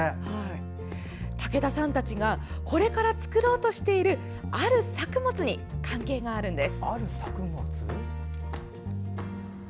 武田さんたちがこれから作ろうとしているある作物に関係があるんです。